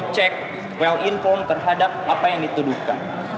cek well informed terhadap apa yang dituduhkan